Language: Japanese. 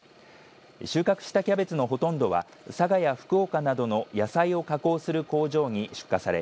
収穫したキャベツのほとんどは佐賀や福岡などの野菜を加工する工場に出荷され